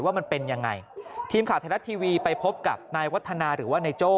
ว่ามันเป็นยังไงทีมข่าวไทยรัฐทีวีไปพบกับนายวัฒนาหรือว่านายโจ้